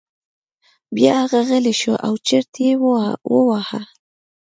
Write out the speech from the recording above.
بیا هغه غلی شو او چرت یې وواهه.